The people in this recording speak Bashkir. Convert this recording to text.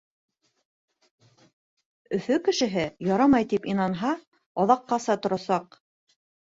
Өфө кешеһе, ярамай тип инанһа, аҙаҡҡаса торасаҡ.